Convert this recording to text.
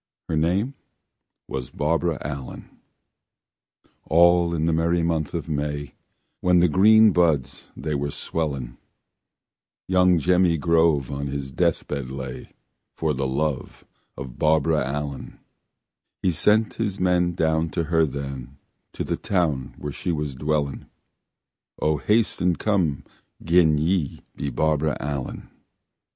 Her name was Barbara Allen. All in the merry month of May, When the green buds they were swellin', Young Jemmy Grove on his death bed lay, For love of Barbara Allen He sent his men down to her then, To the town where she was dwelling: "O haste and come to my master dear, Gin ye be Barbara Allen."